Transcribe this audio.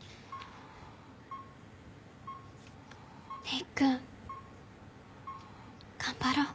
礼くん頑張ろう。